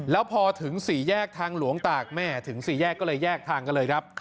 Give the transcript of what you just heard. แล้วพอถึงสี่แยกทางหลวงตากแม่ถึงสี่แยกก็เลยแยกทางกันเลยครับ